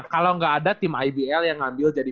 kalau nggak ada tim ibl yang ngambil jadi